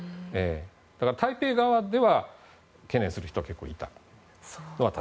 だから、台北側では懸念する人は結構いたと。